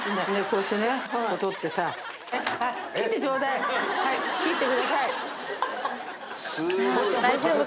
こうしてねこう取ってさはい切ってください